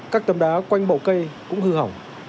các tầm đá quanh bầu cây cũng hư hỏng